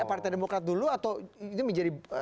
partai demokrat dulu atau ini menjadi